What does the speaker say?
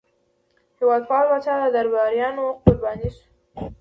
هېوادپال پاچا د درباریانو قرباني شو.